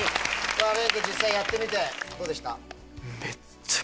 さぁ廉君実際やってみてどうでした？